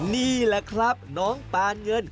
นี่แหละครับน้องปานเงิน